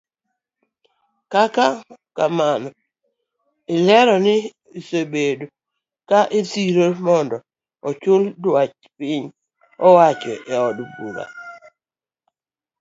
Kata kamano olero ni osebedo ka odhiro mondo ochual duach piny owacho eod bura.